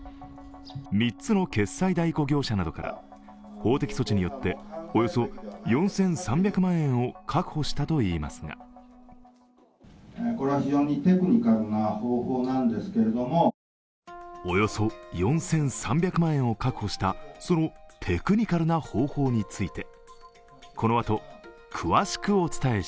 ３つの決済代行業者などから法的措置によっておよそ４３００万円を確保したといいますがおよそ４３００万円を確保したそのテクニカルな方法について。